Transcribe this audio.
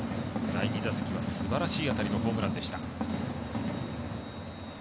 第２打席はすばらしい当たりのホームランでした。